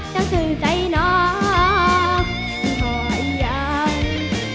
กังสึกใส่น้องอีห่ออีอัง